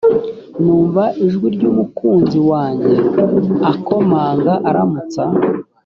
numva ijwi ry umukunzi wanjye akomanga aramutsa